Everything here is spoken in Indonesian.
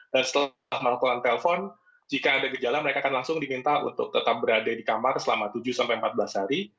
dan setelah melakukan telepon jika ada gejala mereka akan langsung diminta untuk tetap berada di kamar selama tujuh sampai empat belas hari